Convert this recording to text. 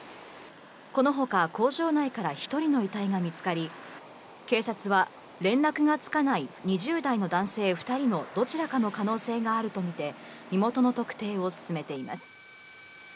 このほか、工場内から１人の遺体が見つかり、警察は連絡がつかない２０代の男性２人のどちらかの可能性があるとみて、身元の特定を進めています。